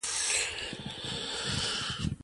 ايا تاسې خپل ښوونځی ښکلی کړی دی؟